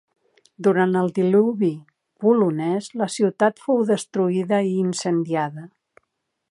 Durant el Diluvi polonès, la ciutat fou destruïda i incendiada.